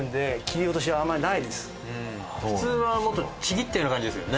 普通はもっとちぎったような感じですよね。